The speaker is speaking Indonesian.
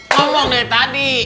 ngomong dari tadi